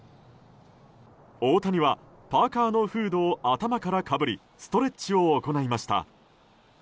大谷はパーカのフードを頭からかぶりストレッチを行いました。